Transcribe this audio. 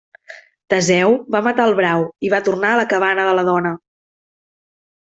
Teseu va matar el brau i va tornar a la cabana de la dona.